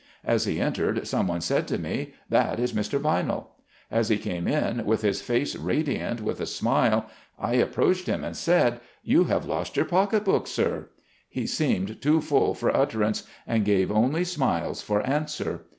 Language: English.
As he entered some one said to me, "That is Mr. Vinell." As he came in, with his face radiant with a smile, I approached him and said, "You have lost your pocket book, sir?" He seemed too full for utter THE LAW 129 ance, and gave only smiles for answer.